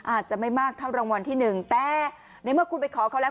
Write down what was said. อาจจะไม่มากเท่ารางวัลที่หนึ่งแต่ในเมื่อคุณไปขอเขาแล้ว